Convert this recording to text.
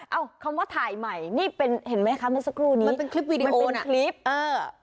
เอ้าคำว่าถ่ายใหม่นี่เป็นเห็นมั้ยคะมันซักรูนี้มันเป็นคลิปมันเป็นคลิปเออ